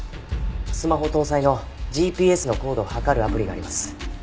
スマホ搭載のＧＰＳの高度を測るアプリがあります。